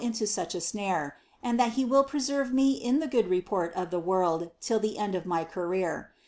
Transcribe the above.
into luch a mure, and thai He will pregerve me in Ihe good report of Ihe world till Ihe end of my career.